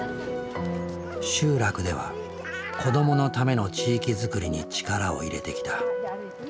集落では子どものための地域づくりに力を入れてきた。